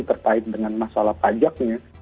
terkait dengan masalah pajaknya